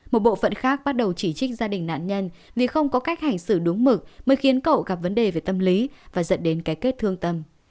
một bộ phận khác bắt đầu chỉ trích gia đình nạn nhân vì không có cách hành xử đúng mực mới khiến cậu gặp vấn đề về tâm lý và dẫn đến cái kết thương tâm